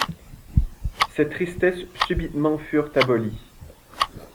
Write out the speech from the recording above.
Ses tristesses subitement furent abolies.